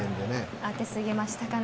当て過ぎましたかね